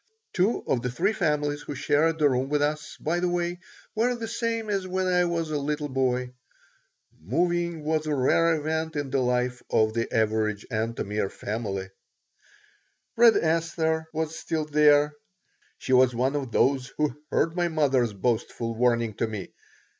Two of the three families who shared the room with us, by the way, were the same as when I was a little boy. Moving was a rare event in the life of the average Antomir family Red Esther was still there. She was one of those who heard my mother's boastful warning to me.